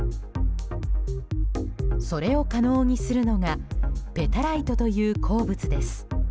それを可能にするのがペタライトという鉱物です。